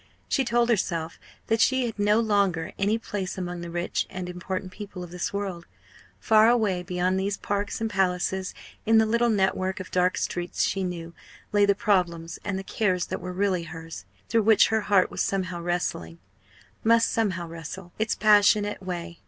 She told herself that she had no longer any place among the rich and important people of this world; far away beyond these parks and palaces, in the little network of dark streets she knew, lay the problems and the cares that were really hers, through which her heart was somehow wrestling must somehow wrestle its passionate way.